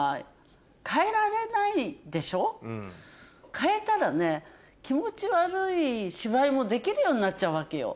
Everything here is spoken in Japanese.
変えたらね気持ち悪い芝居もできるようになっちゃうわけよ。